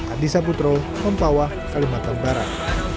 adisa putro lempawa kalimantan barat